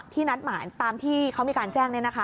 นัดหมายตามที่เขามีการแจ้ง